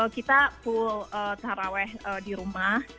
kita full taraweh di rumah